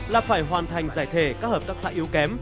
là phải hoàn thành giải thể các hợp tác xã yếu kém